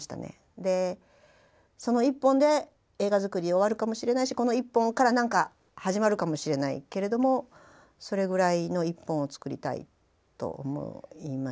その１本で映画作り終わるかもしれないしこの１本から始まるかもしれないけれどもそれぐらいの１本を作りたいと思いました。